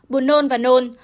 buồn nôn và nôn